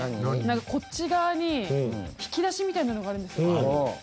こっち側に引き出しみたいなのがあるんですよ。